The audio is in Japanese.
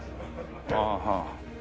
ああはあ。